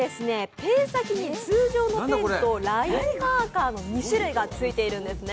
ペン先に通常のペンとラインマーカーの２種類がついているんですね。